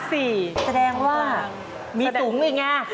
แสดงว่ามีสูงอีกนะ